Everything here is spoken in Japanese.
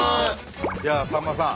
いやあさんまさん！